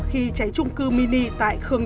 khi cháy trung cư mini tại khương đề